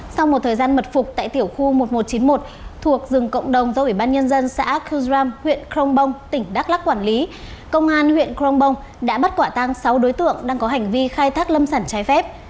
sau một thời gian mật phục tại tiểu khu một nghìn một trăm chín mươi một thuộc rừng cộng đồng dâu ủy ban nhân dân xã khu dram huyện kronbong tỉnh đắk lắc quản lý công an huyện kronbong đã bắt quả tăng sáu đối tượng đang có hành vi khai thác lâm sản trái phép